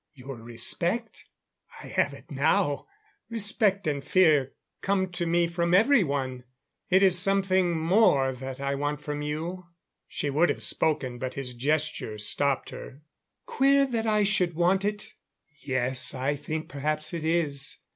Your respect? I have it now. Respect and fear come to me from everyone. It is something more than that I want from you." She would have spoken, but his gesture stopped her. "Queer that I should want it? Yes, I think perhaps it is.